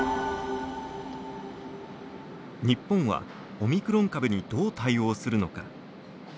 日本はオミクロン株にどう対応するのか。